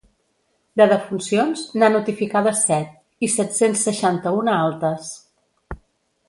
De defuncions, n’ha notificades set, i set-cents seixanta-una altes.